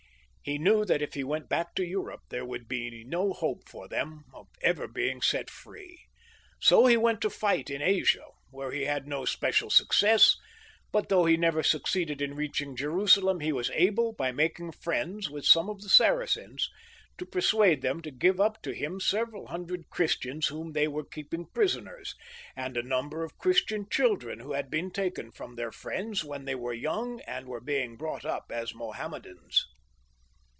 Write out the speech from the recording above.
He knew that if he went back to Europe, there would be no hope for them of ever being set free, so he went to fight in Asia, where he had no special success ; but though he never succeeded in reach ing Jerusalem, he was able, by making friends with some of the Saracens, to persuade them to give up to him several hundred Christians whom they were keeping prisoners, and a number of Christian children who had been taken from their friends when they were very young, and were being brought up as Mahommedans.